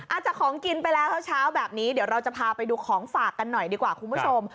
จากของกินไปแล้วเช้าแบบนี้เดี๋ยวเราจะพาไปดูของฝากกันหน่อยดีกว่าคุณผู้ชม